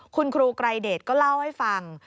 คุณครูไกรเดชก็เล่าให้ฟัง